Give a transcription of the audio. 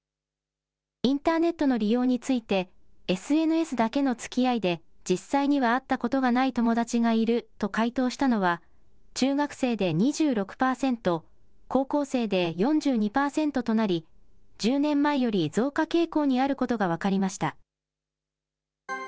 インターネットの利用について、ＳＮＳだけのつきあいで、実際には会ったことがない友達がいると回答したのは、中学生で２６％、高校生で４２％となり、１０年前より増加傾向にあることが分かりました。